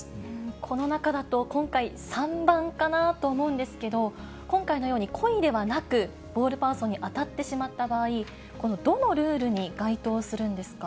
この中だと今回、３番かなと思うんですけど、今回のように、故意ではなく、ボールパーソンに当たってしまった場合、このどのルールに該当するんですか？